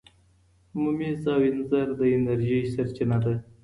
ممیز او انځر د انرژۍ سرچینه ده.